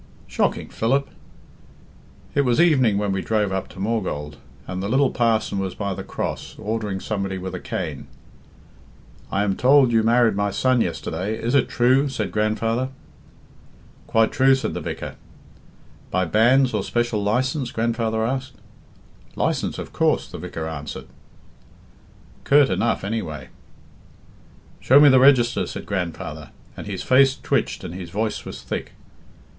"Shocking, Philip. It was evening when we drove up to Maughold, and the little parson was by the Cross, ordering somebody with a cane. 'I am told you married my son yesterday; is it true?' said grandfather. 'Quite true,' said the vicar. 'By banns or special license?' grandfather asked. 'License, of course,' the vicar answered." "Curt enough, any way." "'Show me the register,' said grandfather, and his face twitched and his voice was thick.